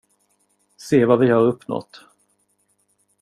Se vad vi har uppnåt.